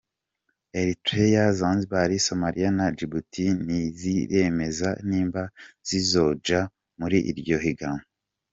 Eritrea, Zanzibar, Somalia na Djibouti ntiziremeza nimba zizoja muri iryo higanwa.